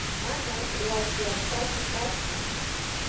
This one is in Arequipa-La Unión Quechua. Manas wasi allpachu kasqa.